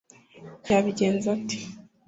Yabigenza ate